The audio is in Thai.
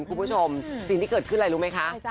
คุณผู้ชมสิ่งที่เกิดขึ้นอะไรรู้ไหมคะ